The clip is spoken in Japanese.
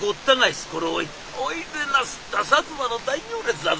「おいでなすった摩の大行列だぜ」。